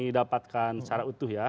dapatkan secara utuh ya